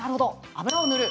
油を塗る。